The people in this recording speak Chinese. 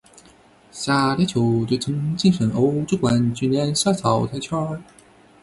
下列球队曾晋身欧洲冠军联赛淘汰圈。